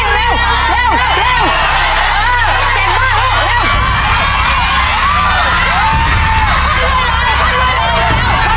เร็วเร็วเร็ว